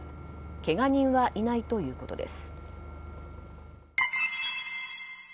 けが人はいないということです。